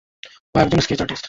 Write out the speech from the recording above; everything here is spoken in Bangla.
ও একজন স্কেচ আর্টিস্ট।